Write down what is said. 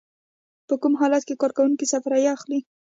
په کوم حالت کې کارکوونکی سفریه اخلي؟